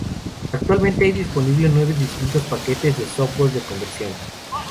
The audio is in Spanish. Actualmente hay disponibles nueve distintos paquetes de software de conversión.